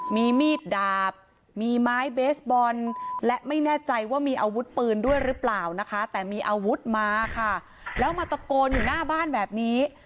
มีมีดดาบมีไม้เบสบอลและไม่แน่ใจว่ามีอาวุธปืนด้วยหรือเปล่านะคะแต่มีอาวุธมาค่ะแล้วมาตะโกนอยู่หน้าบ้านแบบนี้